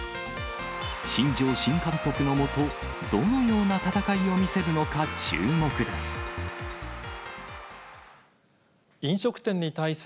新庄新監督の下、どのような戦いを見せるのか、注目です。